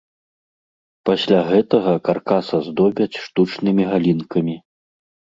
Пасля гэтага каркас аздобяць штучнымі галінкамі.